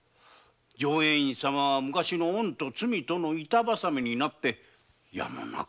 浄円院様は昔の恩と罪との板ばさみになってやむなく。